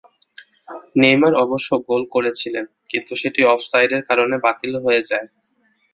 Neymar অবশ্য goal করেছিলেন, কিন্তু সেটি অফসাইডের কারণে বাতিল হয়ে যায়।